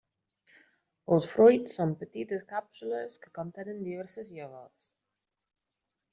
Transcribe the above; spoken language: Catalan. Els fruits són petites càpsules que contenen diverses llavors.